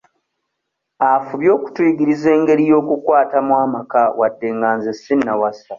Afubye okutuyigiriza engeri y'okukwatamu amaka wadde nga nze sinnawasa.